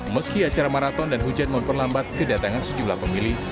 meski acara maraton dan hujan memperlambat kedatangan sejumlah pemilih